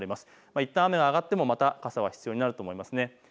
いったん雨が上がってもまた傘は必要になると思います。